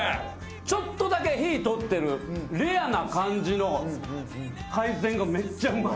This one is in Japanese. ちょっとだけ火通ってるレアな感じの海鮮がめっちゃうまい。